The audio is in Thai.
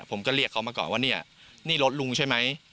ผมก็เรียกเขามาก่อนว่าเนี่ยนี่รถลุงใช่ไหม